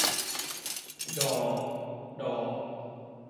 ดอ ฎอ